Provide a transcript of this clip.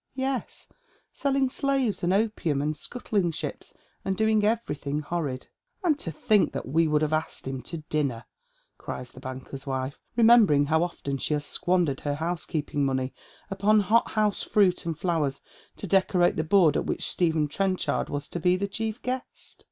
" Yes, selling slaves, and opium, and scuttling ships, and doing everything horrid." " And to think that we should have asked them to dinner !" cries the banker's wife, remembering how often she has squandered her housekeeping money upon hothouse fruit and flowers to decorate the board at which Stephen Trenchard was to be the chief guest.